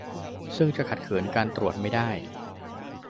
ซึ่งจะขัดขืนการตรวจไม่ได้